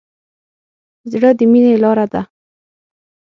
زړه د مینې لاره ده.